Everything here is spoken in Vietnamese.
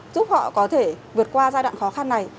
giúp họ có thể vượt qua giai đoạn khó khăn này